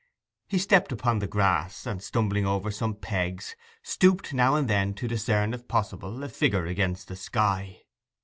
He stepped upon the grass, and, stumbling over some pegs, stooped now and then to discern if possible a figure against the sky.